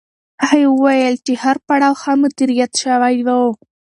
هغې وویل هر پړاو ښه مدیریت شوی و.